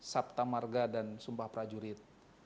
saptamarga dan sumpah prajurit